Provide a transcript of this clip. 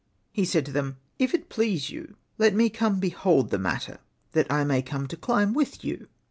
He said to them, ''If it please you, let me behold the matter, that I may come to climb with you."